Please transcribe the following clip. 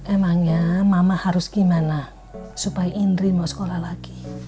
emangnya mama harus gimana supaya indri mau sekolah lagi